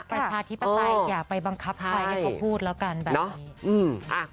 ประชาธิปไตยอย่าไปบังคับใครให้เขาพูดแล้วกันแบบนี้อืม